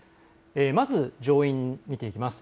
まず上院を見ていきます。